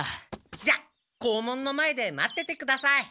じゃ校門の前で待っててください。